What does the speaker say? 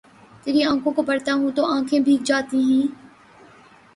تری آنکھوں کو پڑھتا ہوں تو آنکھیں بھیگ جاتی ہی